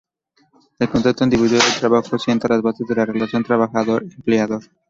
El contrato individual de trabajo sienta las bases de la relación trabajador-empleador.